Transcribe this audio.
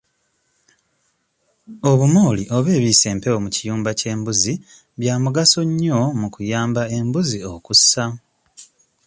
Obumooli oba ebiyisa empewo mu kiyumba ky'embuzi bya mugaso nnyo mu kuyamba embuzi okussa.